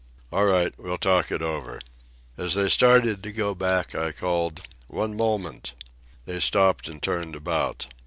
"All right, we'll talk it over." As they started to go back, I called: "One moment." They stopped and turned about.